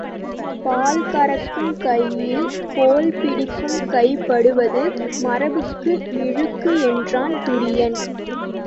பால் கறக்கும் கையில் கோல் பிடிக்கும் கை படுவது மரபுக்கு இழுக்கு என்றான் துரியன்.